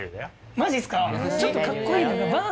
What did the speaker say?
マジっすか？